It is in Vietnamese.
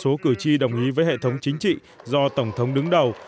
nếu không có một trăm linh số cử tri đồng ý với hệ thống chính trị do tổng thống đứng đầu